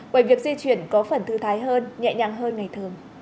bởi việc di chuyển có phần thư thái hơn nhẹ nhàng hơn ngày thường